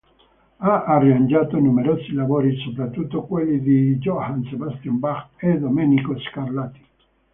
Ha arrangiato numerosi lavori, soprattutto quelli di J. S. Bach e Domenico Scarlatti.